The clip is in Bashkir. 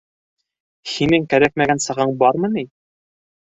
- Һинең кәрәкмәгән сағың бармы ни?